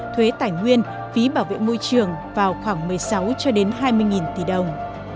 thuế tài nguyên phí bảo vệ môi trường vào khoảng một mươi sáu hai mươi tỷ đồng